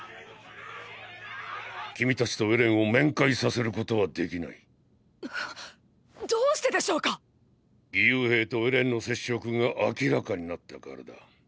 君たちとエレンを面会させることはできない。！！どうしてでしょうか⁉義勇兵とエレンの接触が明らかになったからだ。